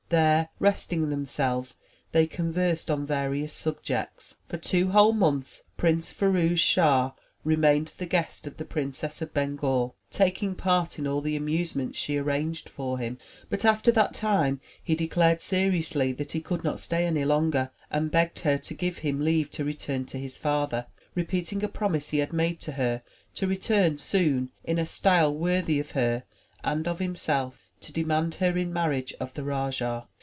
There, resting themselves, they conversed on various subjects. For two whole months Prince Firouz Schah remained the guest of the Princess of Bengal, taking part in all the amusements she arranged for him. But after that time, he declared seriously that he could not stay any longer, and begged her to give him leave to return to his father, repeating a promise he had made to her to return soon in a style worthy of her and of himself to demand her in marriage of the rajah.